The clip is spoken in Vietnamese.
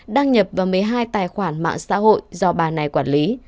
đăng nhập vào một mươi hai tài khoản mạng xã hội